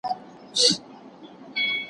بهرنی سیاست د هیواد لپاره نړیوال موقف لوړوي.